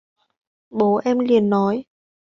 Bố em liền nói